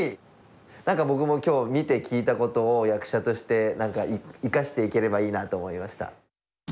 何か僕も今日見て聞いたことを役者として何か生かしていければいいなと思いました。